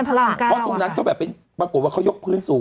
เพราะตรงนั้นก็ปรากฏว่าเขายกพื้นสูง